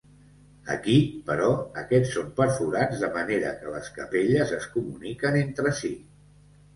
Aquí, però, aquests són perforats, de manera que les capelles es comuniquen entre si.